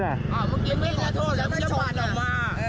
อ้าวเมื่อกี้ไม่ได้ขอโทษแล้วมันชนออกมา